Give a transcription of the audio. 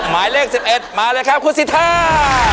หมายเลข๑๑มาเลยครับคุณสิทธา